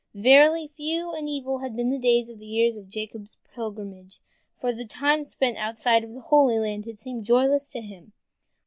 Verily, few and evil had been the days of the years of Jacob's pilgrimage, for the time spent outside of the Holy Land had seemed joyless to him.